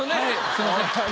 すいません。